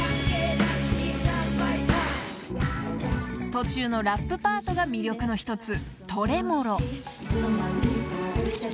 ［途中のラップパートが魅力の一つ］